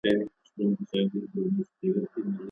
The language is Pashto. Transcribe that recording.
ایا تاسي کله د پخوانیو خلکو کیسې اورېدلي دي؟